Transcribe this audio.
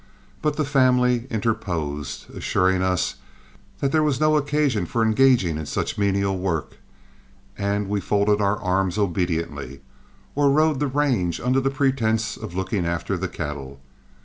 But the family interposed, assuring us that there was no occasion for engaging in such menial work, and we folded our arms obediently, or rode the range under the pretense of looking after the cattle.